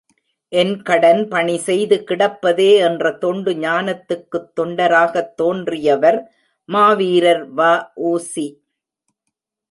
என் கடன் பணி செய்து கிடப்பதே என்ற தொண்டு ஞானத்துக்குத் தொண்டராகத் தோன்றியவர் மாவீரர் வ.உ.சி!